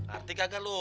arti kagak lu